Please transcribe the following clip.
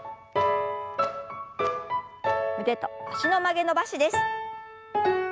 腕と脚の曲げ伸ばしです。